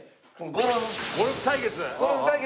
ゴルフ対決！